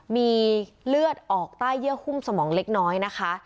มีเลือดออกใต้เยื่อหุ้มสมองเล็กน้อยนะคะ